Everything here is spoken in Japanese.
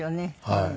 はい。